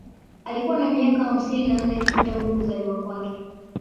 Alikuwa na miaka hamsini na nne tu tangu kuzaliwa kwake